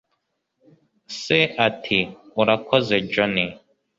Se ati: "Urakoze, Jonny."